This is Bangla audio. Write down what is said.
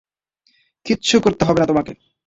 কিচ্ছু করতে হবে না তোমাকে।